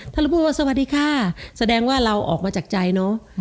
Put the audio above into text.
ถ้าเราพูดว่าสวัสดีค่ะแสดงว่าเราออกมาจากใจเนอะ